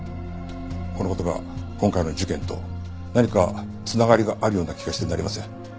この事が今回の事件と何か繋がりがあるような気がしてなりません。